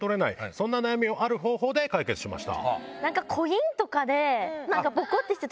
そんな悩みをある方法で解決しました。